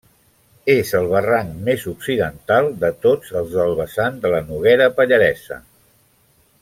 És el barranc més occidental de tots els del vessant de la Noguera Pallaresa.